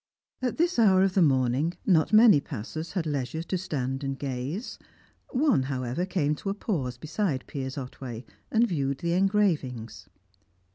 At this hour of the morning not many passers had leisure to stand and gaze; one, however, came to a pause beside Piers Otway, and viewed the engravings.